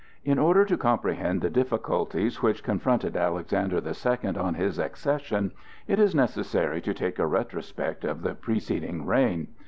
In order to comprehend the difficulties which confronted Alexander the Second on his accession, it is necessary to take a retrospect of the preceding reign.